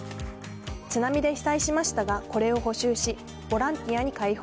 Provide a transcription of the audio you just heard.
津波で被災しましたがこれを補修しボランティアに開放。